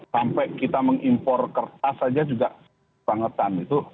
sampai kita mengimpor kertas aja juga bangetan gitu